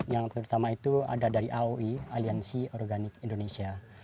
yang terutama itu ada dari aoi aliansi organik indonesia